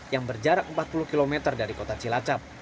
yang berjarak empat puluh km dari kota cilacap